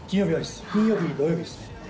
金曜日土曜日ですね。